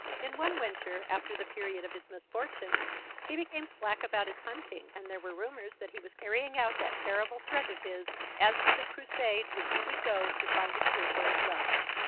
In one winter, after the period of his misfortune, he became slack about his hunting, and there were rumours that he was carrying out that terrible threat of his as to the crusade which he would go to find a cure for his love.